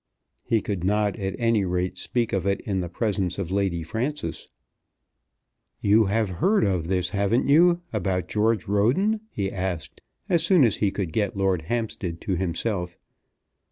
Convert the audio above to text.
He could not, at any rate, speak of it in the presence of Lady Frances. "You have heard this, haven't you, about George Roden?" he asked, as soon as he could get Lord Hampstead to himself.